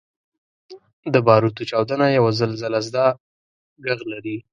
• د باروتو چاودنه یو زلزلهزده ږغ لري.